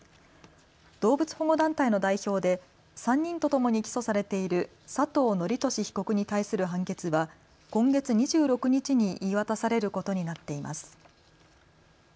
動物保護団体の代表で３人とともに起訴されている佐藤徳壽被告に対する判決は今月２６日に言い渡されることになっています。